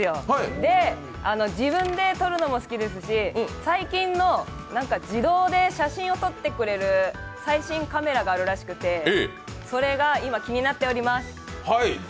で、自分で撮るのも好きですし最近の自動で写真を撮ってくれる最新カメラがあるらしくてそれが今、気になっております。